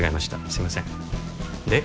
すいませんで？